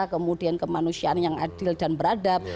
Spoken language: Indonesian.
kemudian kemanusiaan yang adil dan beradab